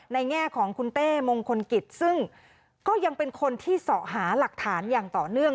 แง่ของคุณเต้มงคลกิจซึ่งก็ยังเป็นคนที่เสาะหาหลักฐานอย่างต่อเนื่อง